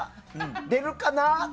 出るかな？